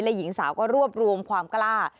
และหญิงสาวก็รวบรวมความกล้า